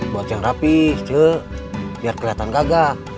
buat yang rapih cek biar keliatan gagal